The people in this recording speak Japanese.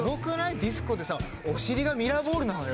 ディスコでさお尻がミラーボールなのよ！